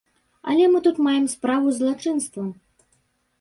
Але мы тут маем справу з злачынствам.